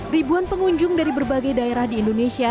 ribuan pengunjung dari berbagai daerah di indonesia